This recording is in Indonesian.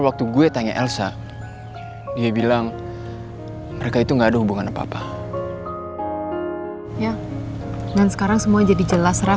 kisah si arctic